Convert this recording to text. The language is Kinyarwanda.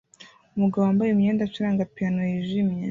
Umugabo wambaye imyenda acuranga piyano yijimye